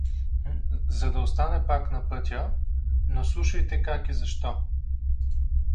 — За да остане пак на пътя… Но слушайте как и защо.